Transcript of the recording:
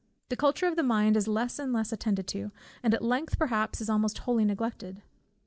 The culture of the mind is less and less attended to, and at length perhaps is almost wholly neglected.